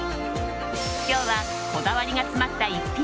今日はこだわりが詰まった逸品